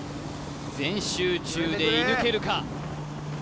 全集中で射抜けるか？